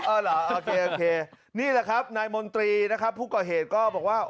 เหรอโอเคโอเคนี่แหละครับนายมนตรีนะครับผู้ก่อเหตุก็บอกว่า